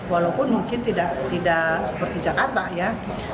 walaupun mungkin tidak seperti jakarta ya